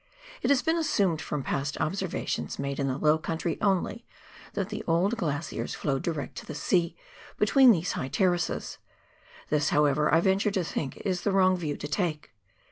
It has been assumed, from past observations made in the low country only, that the old glaciers flowed direct to the sea between these high terraces. This, however, I venture to think, is the wrong view to take.